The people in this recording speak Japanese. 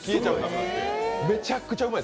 めちゃくちゃうまい。